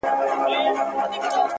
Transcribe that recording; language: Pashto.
زه ستا په ځان كي يم ماته پيدا كړه،